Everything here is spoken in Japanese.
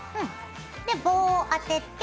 で棒を当てて。